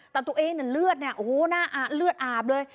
แต่ตัวเองเลือดเนี่ยโอ้โหหน้าเลือดอาบเลย